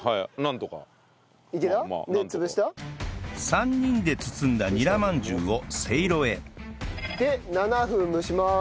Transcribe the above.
３人で包んだニラ饅頭をせいろへで７分蒸します。